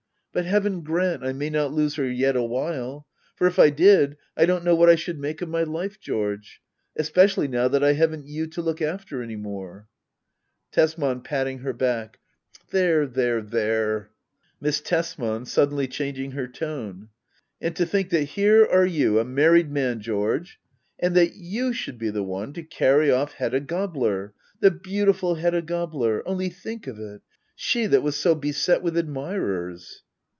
But heaven grant I may not lose her yet awhile ! For if I did, I don't know what I should make of my life, George — especially now that I haven't you to look after any more. Tbsman. [PaUing her hack] There there there 1 Miss Tbsman. [Suddenfy changirig her tone,] And to think that here are you a married man, George I — And that you should be the one to carry off Hedda Gabler — the beautiful Hedda Gabler ! Only think of it — she, that was so beset with admirers